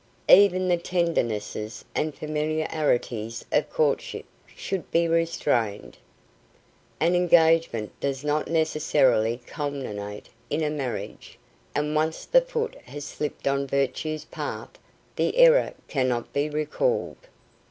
Even the tendernesses and familiarities of courtship should be restrained. An engagement does not necessarily culminate in a marriage, and once the foot has slipped on virtue's path the error cannot be recalled.